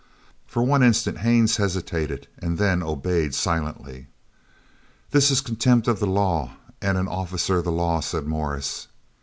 For one instant Haines hesitated, and then obeyed silently. "This is contempt of the law and an officer of the law," said Morris.